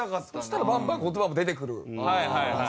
そしたらバンバン言葉も出てくる。